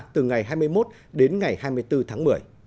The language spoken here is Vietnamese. từ ngày hai mươi một đến ngày hai mươi bốn tháng một mươi